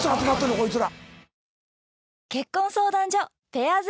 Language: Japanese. こいつら。